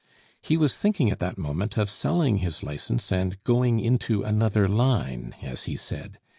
He was thinking at that moment of selling his license and "going into another line," as he said.